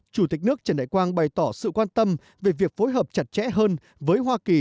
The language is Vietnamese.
chủ tịch nước trần đại quang bày tỏ sự quan tâm về việc phối hợp chặt chẽ hơn với hoa kỳ